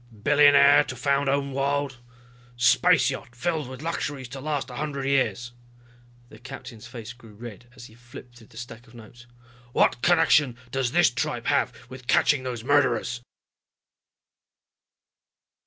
"Billionaire to found own world ... space yacht filled with luxuries to last a hundred years," the captain's face grew red as he flipped through the stack of notes. "What connection does this tripe have with catching those murderers?"